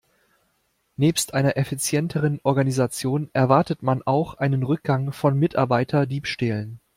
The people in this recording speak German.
Nebst einer effizienteren Organisation erwartet man auch einen Rückgang von Mitarbeiterdiebstählen.